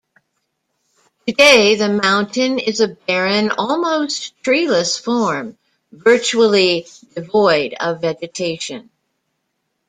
Today the mountain is a barren, almost treeless form, virtually devoid of vegetation.